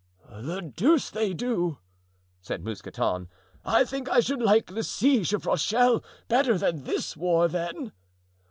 "The deuce they do!" said Mousqueton; "I think I should like the siege of Rochelle better than this war, then!"